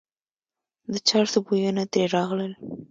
د چرسو بویونه ترې راغلل.